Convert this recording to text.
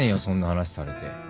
そんな話されて。